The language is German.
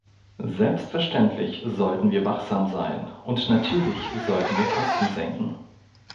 Selbstverständlich sollten wir wachsam sein, und natürlich sollten wir Kosten senken.